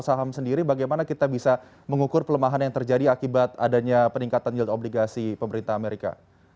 saham sendiri bagaimana kita bisa mengukur pelemahan yang terjadi akibat adanya peningkatan yield obligasi pemerintah amerika